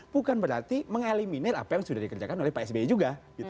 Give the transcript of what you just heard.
bukan berarti mengeliminir apa yang sudah dikerjakan oleh pak sby juga